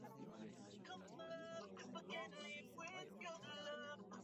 ika kusini na kuwezwa kushindwa